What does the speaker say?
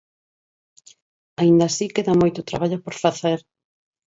Aínda así, queda moito traballo por facer.